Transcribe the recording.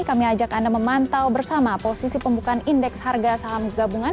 kami ajak anda memantau bersama posisi pembukaan indeks harga saham gabungan